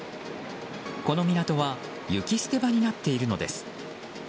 この港は雪捨て場になっているのです。